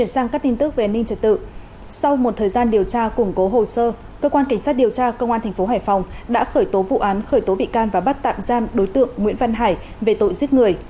sau một thời gian điều tra củng cố hồ sơ cơ quan cảnh sát điều tra công an tp hải phòng đã khởi tố vụ án khởi tố bị can và bắt tạm giam đối tượng nguyễn văn hải về tội giết người